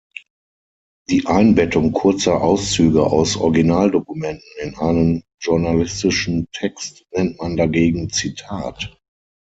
Die Einbettung kurzer Auszüge aus Originaldokumenten in einen journalistischen Text nennt man dagegen Zitat.